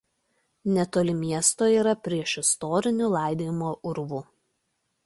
Netoli miesto yra priešistorinių laidojimo urvų.